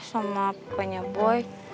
sama pakenya boy